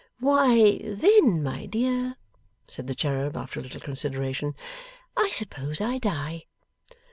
'Why then, my dear,' said the cherub, after a little consideration, 'I suppose I die.